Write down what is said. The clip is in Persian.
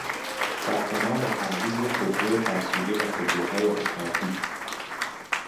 ثبت نام و تعویض خودرو فرسوده و خودرو های اسقاطی